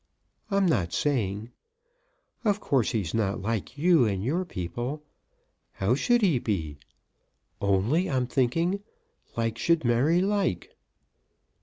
I'm not saying Of course, he's not like you and your people. How should he be? Only I'm thinking, like should marry like."